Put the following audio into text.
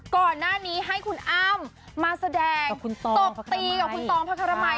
ก่อนหน้านี้ให้คุณอ้ำมาแสดงตบตีกับคุณตองพระคารมัย